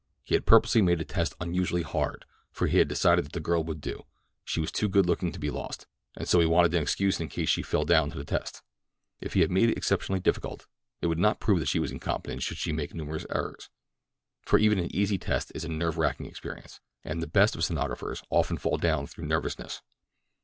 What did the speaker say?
He had purposely made the test unusually hard, for he had decided that the girl would do—she was too good looking to be lost—and so he wanted an excuse in case she fell down on the test. If he made it exceptionally difficult, it would not prove that she was incompetent should she make numerous errors, for even an easy test is a nerve racking experience, and the best of stenographers often fall down through nervousness.